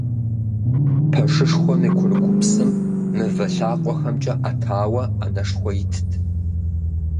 Пэшышхуэм и курыкупсым мывэ лъакъуэхэмкӀэ Ӏэтауэ Ӏэнэшхуэ итт.